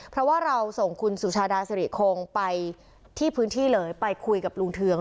เพราะว่าเราส่งคุณสุชาดาสิริคงไปที่พื้นที่เลยไปคุยกับลุงเทือง